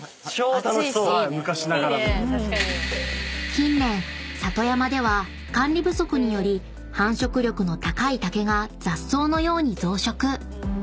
［近年里山では管理不足により繁殖力の高い竹が雑草のように増殖］